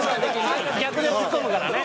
逆でツッコむからね。